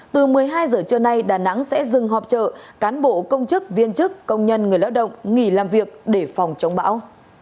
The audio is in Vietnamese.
từ một mươi hai giờ trưa nay đà nẵng sẽ dừng họp trợ cán bộ công chức viên chức công nhân người lao động nghỉ làm việc để phòng chống bão